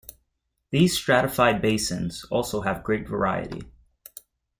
These stratified basins also have great variety.